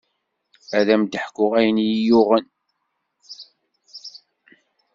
Ad m-d-ḥkuɣ ayen i yi-yuɣen.